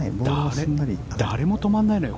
誰も止まらないのよ